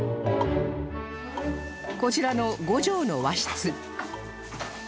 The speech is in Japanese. こちらの５畳の和室